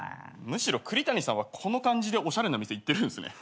むしろ栗谷さんはこの感じでおしゃれな店行ってるんすね。